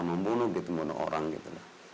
membunuh orang gitu